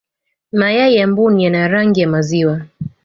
mayai ya mbuni yana rangi ya maziwa